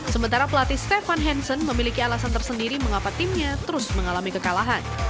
sementara pelatih stefan hansen memiliki alasan tersendiri mengapa timnya terus mengalami kekalahan